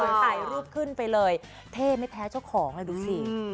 ถ่ายรูปขึ้นไปเลยเท่ไม่แพ้เจ้าของเลยดูสิ